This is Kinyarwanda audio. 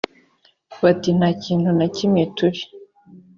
bati nta kintu na kimwe turi